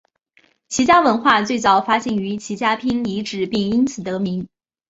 齐家文化最早发现于齐家坪遗址并因此得名。